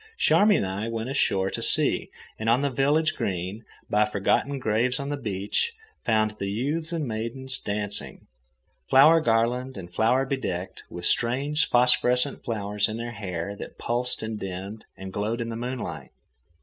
Charmian and I went ashore to see, and on the village green, by forgotten graves on the beach, found the youths and maidens dancing, flower garlanded and flower bedecked, with strange phosphorescent flowers in their hair that pulsed and dimmed and glowed in the moonlight.